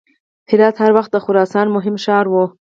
هرات هر وخت د خراسان مهم ښار و.